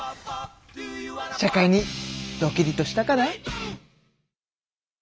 社会にドキリとしたかな？